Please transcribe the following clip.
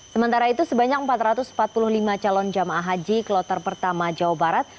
sementara itu sebanyak empat ratus empat puluh lima calon jamaah haji kloter pertama jawa barat